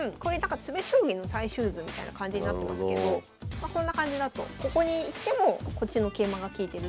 詰将棋の最終図みたいな感じになってますけどこんな感じだとここに行ってもこっちの桂馬が利いてるし